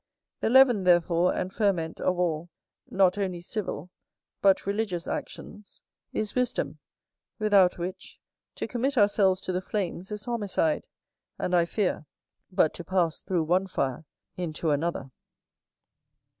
The leaven, therefore, and ferment of all, not only civil, but religious, actions, is wisdom; without which, to commit ourselves to the flames is homicide, and (I fear) but to pass through one fire into another.